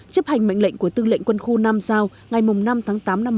chấp hành mệnh lệnh của tư lệnh quân khu nam giao ngày năm tháng tám năm một nghìn chín trăm bảy mươi